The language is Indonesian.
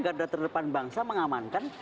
garda terdepan bangsa mengamankan